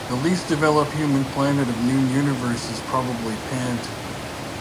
The least developed human planet of Noon Universe is probably Pant.